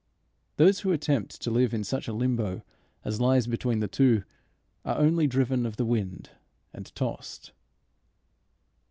Those who attempt to live in such a limbo as lies between the two, are only driven of the wind and tossed.